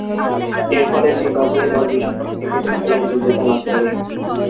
এরফলে জিম্বাবুয়ে দল বিশ্বকাপ ক্রিকেটে খেলার যোগ্যতা লাভ করে।